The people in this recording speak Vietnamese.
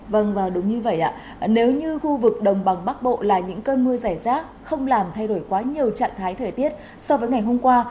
vâng và đúng như vậy ạ nếu như khu vực đồng bằng bắc bộ là những cơn mưa rải rác không làm thay đổi quá nhiều trạng thái thời tiết so với ngày hôm qua